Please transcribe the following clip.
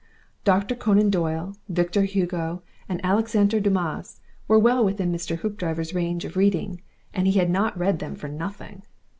Doctor Conan Doyle, Victor Hugo, and Alexander Dumas were well within Mr. Hoopdriver's range of reading, and he had not read them for nothing.